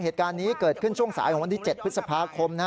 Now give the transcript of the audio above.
เหตุการณ์นี้เกิดขึ้นช่วงสายของวันที่๗พฤษภาคม